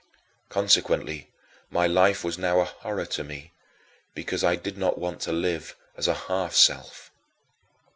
Consequently, my life was now a horror to me because I did not want to live as a half self.